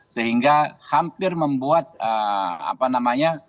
sehingga hampir membuat apa namanya